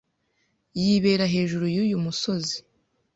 Yibera hejuru yuyu musozi.